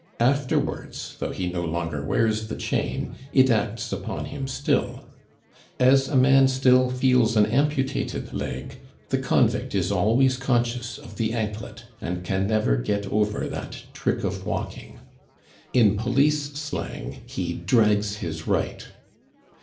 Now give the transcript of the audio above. Afterwards, though he no longer wears the chain, it acts upon him still; as a man still feels an amputated leg, the convict is always conscious of the anklet, and can never get over that trick of walking. In police slang, he "drags his right."